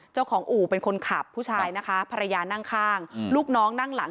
อู่เป็นคนขับผู้ชายนะคะภรรยานั่งข้างลูกน้องนั่งหลัง